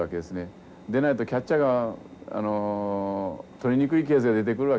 でないとキャッチャーが捕りにくいケースが出てくるわけですね。